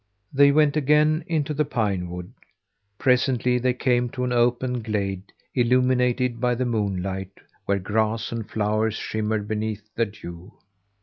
They went again into the pine wood. Presently they came to an open glade illuminated by the moonlight, where grass and flowers shimmered beneath the dew.